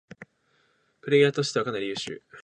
プレイヤーとしてはかなり優秀